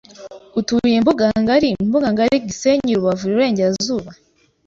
utuye Mbugangari MbugangariGisenyi Rubavu Iburengerazuba